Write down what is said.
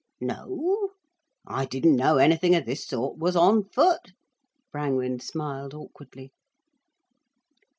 "No? I didn't know anything of this sort was on foot—" Brangwen smiled awkwardly.